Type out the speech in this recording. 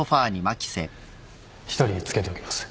一人つけておきます。